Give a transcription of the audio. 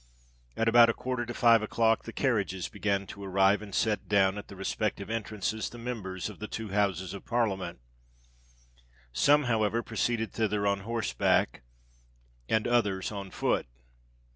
At about a quarter to five o'clock, the carriages began to arrive and set down at the respective entrances the Members of the two Houses of Parliament: some, however, proceeded thither on horseback; and others on foot.